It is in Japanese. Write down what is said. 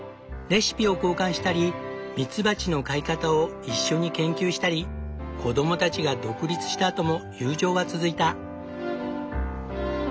レシピを交換したりミツバチの飼い方を一緒に研究したり子供たちが独立したあとも友情は続いた。